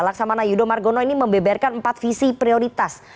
laksamana yudho margono ini membeberkan empat visi prioritas